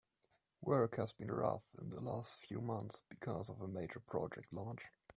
Work has been rough in the last few months because of a major project launch.